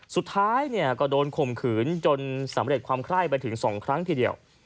สุดท้ายก็โดนข่มขืนจนสำเร็จความไคร้ไปถึง๒ครั้งทีเดียว